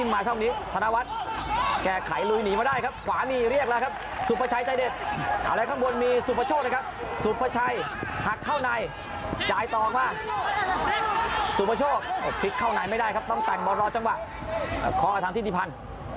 ไม่ได้ครับต้องแต่งบอสรอจังหวะข้ออาทางที่ดิพันธ์